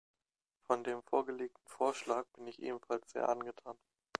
Von dem vorgelegten Vorschlag bin ich ebenfalls sehr angetan.